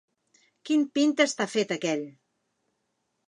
Quin pinta està fet aquell!